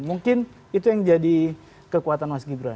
mungkin itu yang jadi kekuatan mas gibran